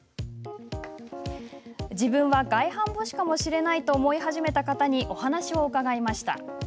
自分は外反母趾かもしれないと思い始めた方にお話を伺いました。